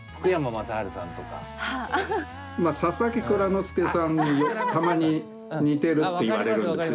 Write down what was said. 佐々木蔵之介さんにたまに似てるって言われるんですよ。